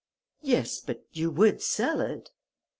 "Yes, but you would sell it."